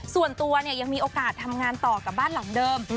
ส่วนตัวเนี่ยยังมีโอกาสทำงานต่อกับบ้านหลังเดิม